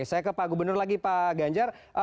saya ke pak gubernur lagi pak ganjar